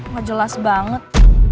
gak jelas banget